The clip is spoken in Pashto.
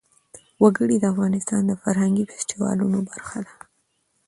وګړي د افغانستان د فرهنګي فستیوالونو برخه ده.